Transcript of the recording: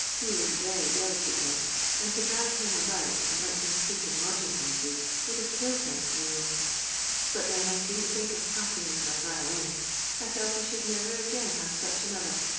He wu Tery deli cate then, aad to dng him about aad let him ■laep in lodgiDg boniee would have killed him, I knew. Bol then I eonkin't think of parting with my T ioUa. I fislt I ihottld never again have snch another.